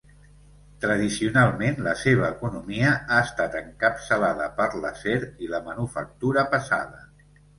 Tradicionalment, la seva economia ha estat encapçalada per l'acer i la manufactura pesada.